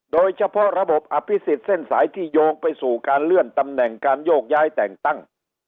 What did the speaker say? โดยเฉพาะระบบอภิษฎเส้นสายที่โยงไปสู่การเลื่อนตำแหน่งการโยกย้ายแต่งตั้ง